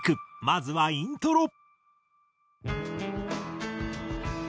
まずはイントロ。